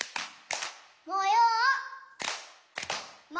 「もよう」。